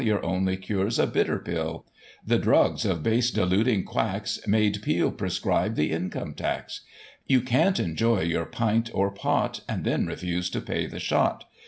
Your only cure's a bitter pill : The drugs of base deluding quacks Made Peel prescribe the Income Tax. You can't enjoy your pint, or pot, And then refuse to pay the shot ; 13 Digitized by Google 194 GOSSIP.